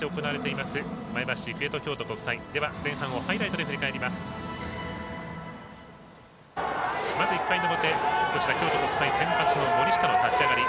まず１回の表、京都国際先発の森下の立ち上がり。